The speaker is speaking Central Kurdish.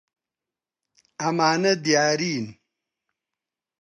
ئەمانە دیارین.